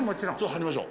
入りましょう。